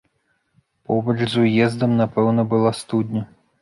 Побач з уездам, напэўна, была студня.